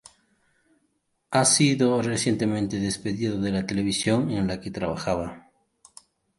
Ha sido recientemente despedido de la televisión en la que trabajaba.